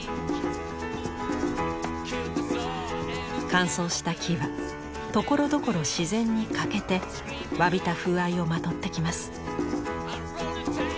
乾燥した木はところどころ自然に欠けてわびた風合いをまとってきます。